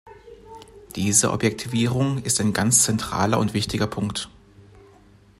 Diese Objektivierung ist ein ganz zentraler und wichtiger Punkt.